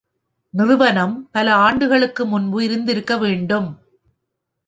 நிறுவனம் பல ஆண்டுகளுக்கு முன்பு இருந்திருக்கவேண்டும்.